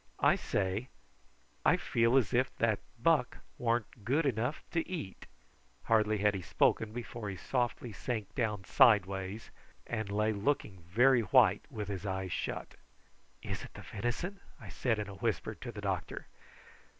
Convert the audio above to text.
"I say, I feel as if that buck warn't good enough to eat." Hardly had he spoken before he softly sank down sidewise, and lay looking very white, and with his eyes shut. "Is it the venison?" I said in a whisper to the doctor.